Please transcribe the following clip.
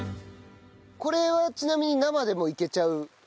これはちなみに生でもいけちゃう感じですよね？